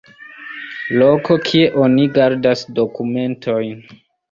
Loko kie oni gardas dokumentojn.